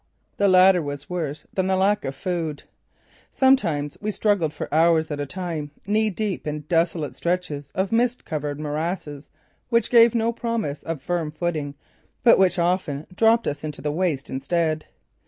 The latter was worse than the lack of food. Sometimes we struggled for hours at a time, knee deep in desolate stretches of mist covered morasses which gave no promise of firm footing but which often dropped us in to the waist instead.